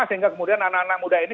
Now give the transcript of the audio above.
sehingga kemudian anak anak muda ini